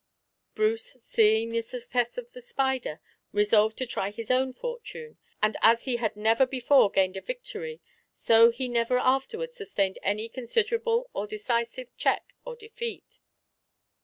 Bruce seeing the success of the spider, resolved to try his own fortune; and as he had never before gained a victory, so he never afterward sustained any considerable or decisive check or defeat.